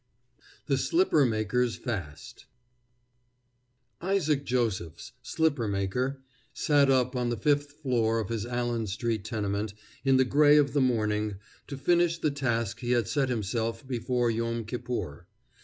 THE SLIPPER MAKER'S FAST Isaac Josephs, slipper maker, sat up on the fifth floor of his Allen street tenement, in the gray of the morning, to finish the task he had set himself before Yom Kippur.